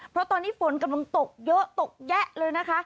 เพราะตอนนี้ฝนกำลังตกเยอะตกแยะเลยนะคะ